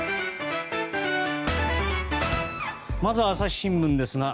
まずは朝日新聞です。